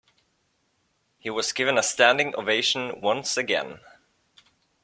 He was given a standing ovation once again.